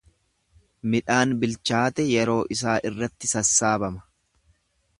Midhaan bilchaate yeroo isaa irratti sassaabama.